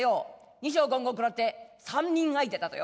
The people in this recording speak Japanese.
二升五合食らって三人相手だとよ。